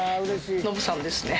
ノブさんですね。